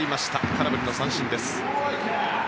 空振りの三振です。